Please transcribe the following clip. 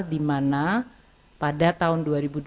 di mana pada tahun dua ribu dua puluh